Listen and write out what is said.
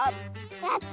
やった！